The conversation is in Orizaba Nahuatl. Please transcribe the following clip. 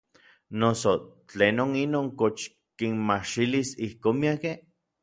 Noso ¿tlenon inin kox kinmajxilis ijkon miakej?